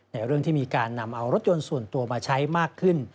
ในเรื่องที่มีการนำเอารถยนต์ส่วนตัวมาใช้มากขึ้น